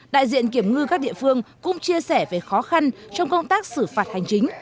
đại diện kiểm ngư các địa phương cũng chia sẻ về khó khăn trong công tác xử phạt hành chính